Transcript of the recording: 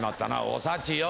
お幸よ。